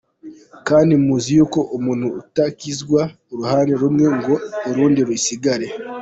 Kandi muzi yuko umuntu atakizwa uruhande rumwe ngo urundi rusigare.